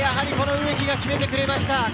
植木が決めてくれました！